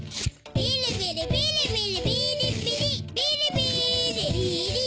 ビリビリビリビリ！